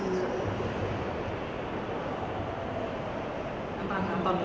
แล้วมันเป็นเรื่องไหนค่ะ